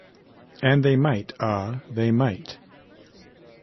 And they might, ah, they might!